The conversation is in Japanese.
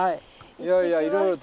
いやいやいろいろと。